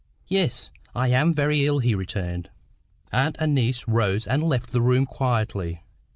"Yes; I am very ill," he returned. Aunt and niece rose and left the room quietly.